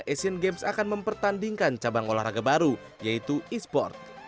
asian games akan mempertandingkan cabang olahraga baru yaitu e sport